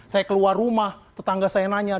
saya keluar rumah tetangga saya nanya